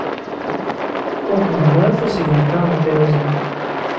Ur ḥemmleɣ ara tasgilt-a n tliẓri.